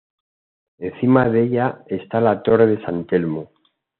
Encima de ella está la Torre de San Telmo.